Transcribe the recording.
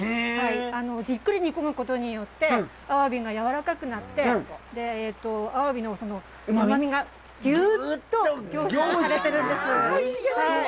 じっくり煮込むことによってアワビがやわらかくなって、アワビのうまみがぎゅうっと凝縮されているんです。